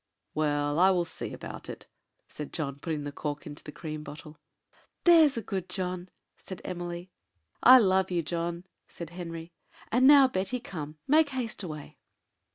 "Well, I will see about it," said John, putting the cork into the cream bottle. "There's a good John!" said Emily. "I love you, John!" said Henry. "And now, Betty, come, make haste away."